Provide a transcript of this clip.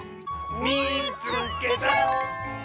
「みいつけた！」。